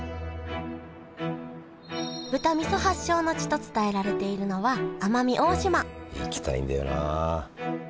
豚味噌発祥の地と伝えられているのは行きたいんだよな。